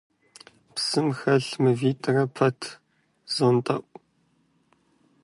Псым хэлъ мывитӀрэ пэт зонтӀэӀу.